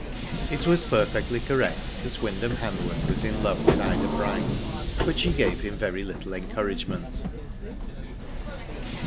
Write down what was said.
It was perfectly correct that Wyndham Han worth was in love with Ida Bryce, but she gave him very little encouragement.